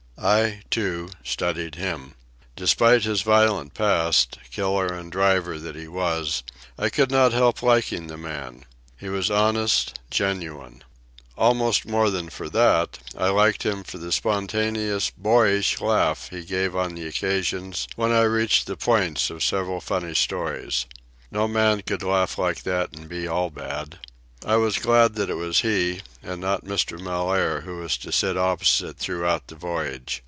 I, too, studied him. Despite his violent past, killer and driver that he was, I could not help liking the man. He was honest, genuine. Almost more than for that, I liked him for the spontaneous boyish laugh he gave on the occasions when I reached the points of several funny stories. No man could laugh like that and be all bad. I was glad that it was he, and not Mr. Mellaire, who was to sit opposite throughout the voyage.